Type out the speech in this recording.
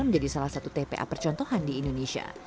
tpa ini adalah salah satu tpa percontohan di indonesia